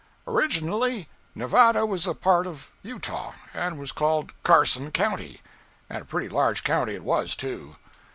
Originally, Nevada was a part of Utah and was called Carson county; and a pretty large county it was, too.